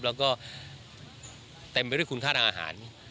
แล้วก็เต็มไปด้วยคุณธรรมอาหาร